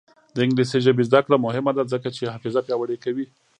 د انګلیسي ژبې زده کړه مهمه ده ځکه چې حافظه پیاوړې کوي.